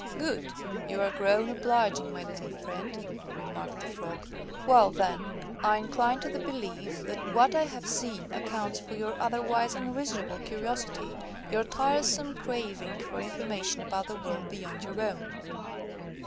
"Good! you are grown obliging, my little friend," remarked the Frog. "Well then, I incline to the belief, that what I have seen accounts for your otherwise unreasonable curiosity, your tiresome craving for information about the world beyond your own."